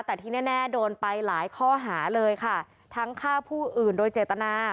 แต่ที่แน่โดนไปหลายข้อหาเลยค่ะทั้งฆ่าผู้อื่นโดยเจตนา